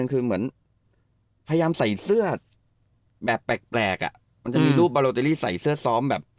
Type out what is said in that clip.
คือเหมือนพยายามใส่เสื้อแบบแปลกอ่ะมันจะมีรูปบาโลเตอรี่ใส่เสื้อซ้อมแบบ